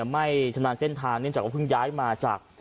ไม่ชำนาญเส้นทางเนื่องจากว่าเพิ่งย้ายมาจาก